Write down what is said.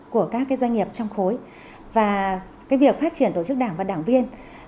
của các doanh nghiệp trong khối và việc phát triển tổ chức đảng và đảng viên